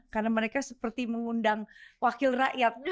karena mereka seperti mengundang wakil rakyat